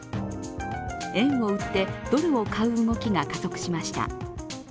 円を売ってドルを買う動きが加速しました。